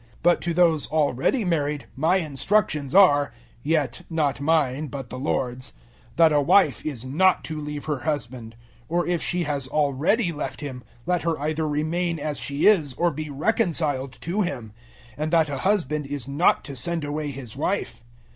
007:010 But to those already married my instructions are yet not mine, but the Lord's that a wife is not to leave her husband; 007:011 or if she has already left him, let her either remain as she is or be reconciled to him; and that a husband is not to send away his wife.